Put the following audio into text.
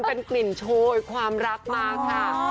เป็นกลิ่นโชยความรักมาค่ะ